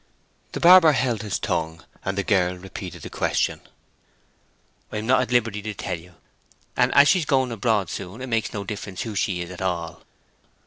The barber held his tongue, and the girl repeated the question. "I am not at liberty to tell you. And as she is going abroad soon it makes no difference who she is at all."